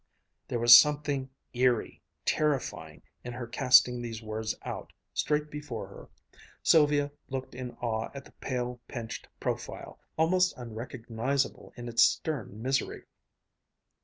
There was something eerie, terrifying, in her casting these words out, straight before her. Sylvia looked in awe at the pale, pinched profile, almost unrecognizable in its stern misery.